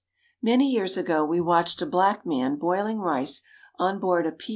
Many years ago we watched a black man boiling rice on board a P.